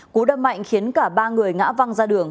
cú đâm mạnh khiến cả ba người ngã văng ra đường